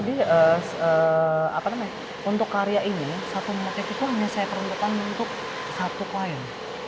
tapi untuk karya ini satu motif itu hanya saya perhatikan untuk satu payen